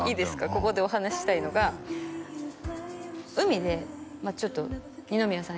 ここでお話ししたいのが海でちょっと二宮さん